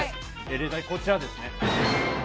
例題こちらです。